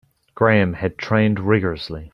Graham had trained rigourously.